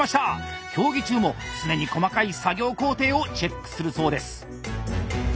競技中も常に細かい作業工程をチェックするそうです。